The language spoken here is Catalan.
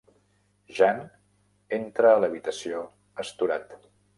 Jean entra a l'habitació, astorat.